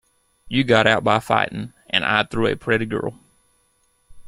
You got out by fighting, and I through a pretty girl.